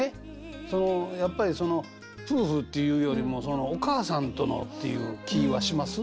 そのやっぱり夫婦っていうよりもお母さんとのっていう気ぃはします？